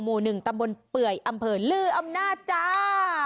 หมู่๑ตำบลเปื่อยอำเภอลืออำนาจจ้า